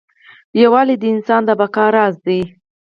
یووالی د انسان د بقا راز دی.